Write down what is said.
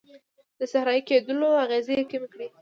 د صحرایې کیدلو اغیزې کمې کړي.